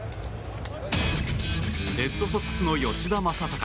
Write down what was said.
レッドソックスの吉田正尚。